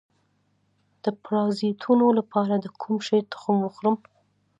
د پرازیتونو لپاره د کوم شي تخم وخورم؟